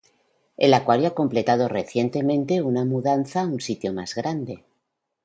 El acuario ha completado recientemente una mudanza a un sitio más grande.